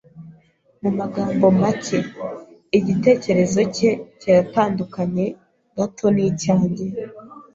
Mu magambo make, igitekerezo cye kiratandukanye gato nicyanjye.